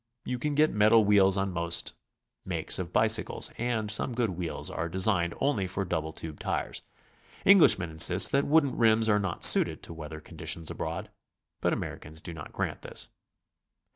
You can get metal wheels on most makes of bicycles, and'some good wheels are designed only for double tube tires. Englishmen insist that wooden rims are not suited to weather conditions abroad, but Americans do not grant this.